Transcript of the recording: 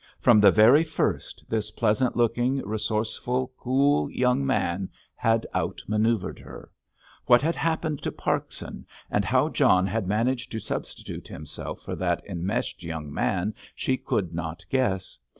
From the very first this pleasant looking, resourceful, cool young man had outmanoeuvred her. What had happened to Parkson, and how John had managed to substitute himself for that enmeshed young man, she could not guess.